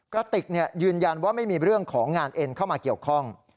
กระติกยืนยันว่าไม่มีเรื่องของงานเอ็นเข้ามาเกี่ยวข้อง